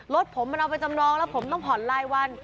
รถผมมันเอาไปจำนองแล้วผมต้องผ่อนรายวัน